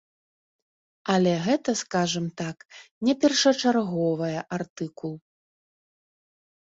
Але гэта, скажам так, не першачарговая артыкул.